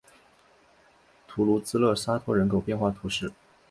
图卢兹勒沙托人口变化图示